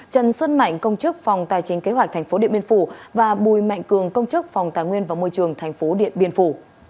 trần xuân mạnh công chức phòng tài chính kế hoạch tp điện biên phủ và bùi mạnh cường công chức phòng tài nguyên và môi trường tp điện biên phủ